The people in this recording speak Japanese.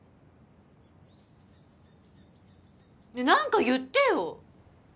ねえ何か言ってよ！